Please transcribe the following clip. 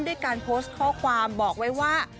ด้วยการโพสต์ข้อความบอกไว้ว่า